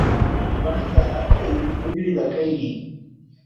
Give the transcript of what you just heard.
بݨی دا ہر کئی، وڳڑی دا کئی نئیں